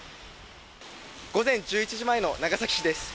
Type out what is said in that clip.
午前１１時前の長崎市です。